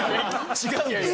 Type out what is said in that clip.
違うんですよ。